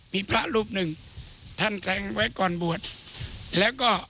มีพระรูปนึงท่านแสงไว้ก่อนบวช